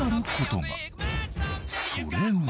［それは］